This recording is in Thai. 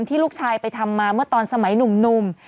ลูกชายไปทำมาเมื่อตอนสมัยหนุ่ม